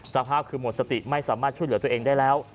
สภาพคือหมดสติไม่สามารถช่วยเหลือตัวเองได้แล้ว